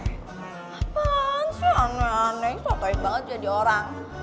apaan sih aneh aneh satu satunya banget jadi orang